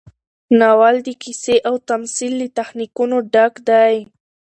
ناول د قصې او تمثیل له تخنیکونو ډک دی.